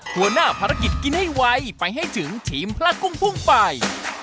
หัวหน้าภารกิจกินให้ไวไปให้ถึงทีมพระกุ้งพุ่งไป